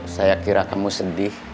saya kira kamu sedih